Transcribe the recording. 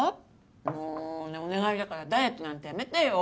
もうねえお願いだからダイエットなんてやめてよ。